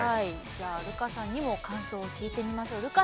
じゃあルカさんにも感想を聞いてみましょう。